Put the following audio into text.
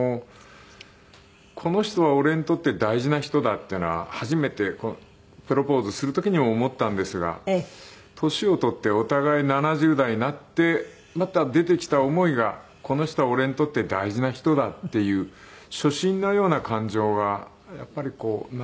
この人は俺にとって大事な人だっていうのは初めてプロポーズする時にも思ったんですが年を取ってお互い７０代になってまた出てきた思いがこの人は俺にとって大事な人だっていう初心のような感情が。